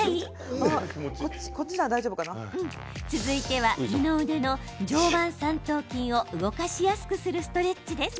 続いては、二の腕の上腕三頭筋を動かしやすくするストレッチです。